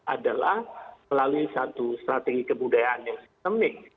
adalah melalui satu strategi kebudayaan yang sistemik